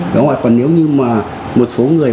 còn nếu như mà một số người